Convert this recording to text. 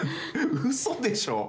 うそでしょ？